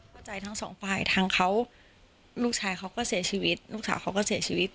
เข้าใจทั้งสองฝ่ายทางเขาลูกชายเขาก็เสียชีวิตลูกสาวเขาก็เสียชีวิต